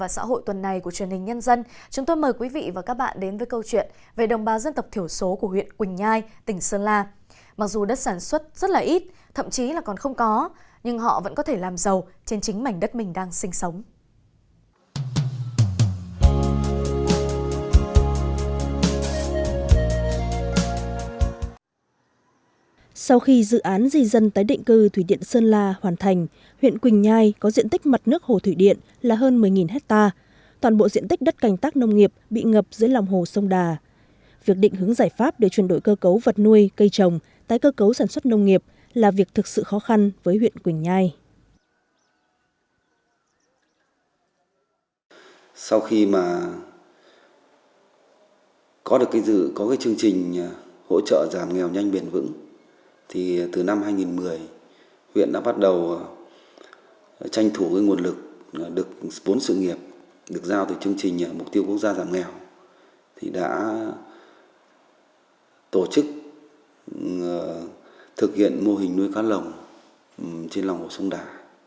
sau khi mà có được cái chương trình hỗ trợ giảm nghèo nhanh biển vững thì từ năm hai nghìn một mươi huyện đã bắt đầu tranh thủ với nguồn lực được bốn sự nghiệp được giao từ chương trình mục tiêu quốc gia giảm nghèo thì đã tổ chức thực hiện mô hình nuôi cá lồng trên lòng hồ sông đà